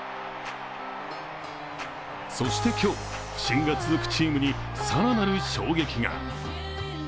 そして今日、不振が続くチームに更なる衝撃が。